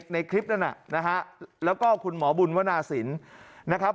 ในคลิปนั้นแล้วก็คุณหมอบุญวนาศิลป์